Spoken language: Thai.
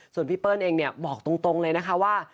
ส่วนพี่เปิ้ลเองเนี่ยบอกตรงเลยนะคะว่า